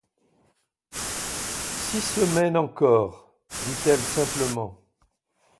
Six semaines encore, dit-elle simplement.